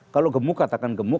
kalau gemuk katakan gemuk